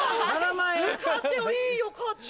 買ってよいいよ買ってよ。